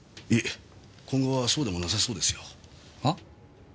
いえ今後はそうでもなさそうですよ。は？